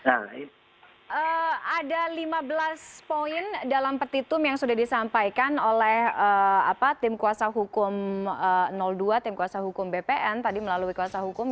ada lima belas poin dalam petitum yang sudah disampaikan oleh tim kuasa hukum dua tim kuasa hukum bpn tadi melalui kuasa hukum